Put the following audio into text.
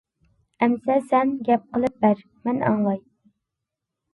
-ئەمىسە سەن گەپ قىلىپ بەر، مەن ئاڭلاي.